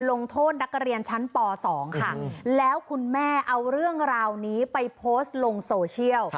ลงโทษนักเรียนชั้นป๒ค่ะแล้วคุณแม่เอาเรื่องราวนี้ไปโพสต์ลงโซเชียล